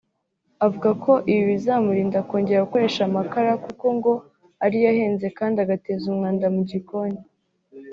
Avuga ko ibi bizamurinda kongera gukoresha amakara kuko ngo ari yo ahenze kandi agateza umwanda mu gikoni